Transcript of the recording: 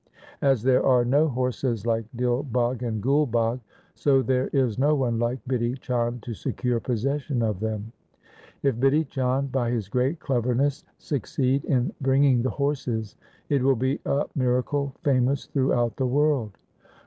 As there are no horses like Dil Bagh and Gul Bagh, so there is no one like Bidhi Chand to secure possession of them. If Bidhi Chand by his great cleverness suc ceed in bringing the horses, it will be a miracle famous throughout the world.